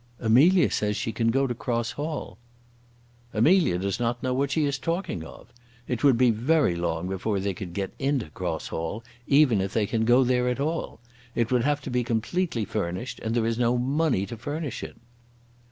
"Amelia says she can go to Cross Hall." "Amelia does not know what she is talking of. It would be very long before they could get into Cross Hall, even if they can go there at all. It would have to be completely furnished, and there is no money to furnish it."